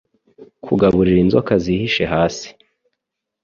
kugaburira inzoka zihishe hasi